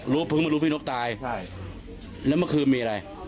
เพิ่งมารู้พี่นกตายใช่แล้วเมื่อคืนมีอะไร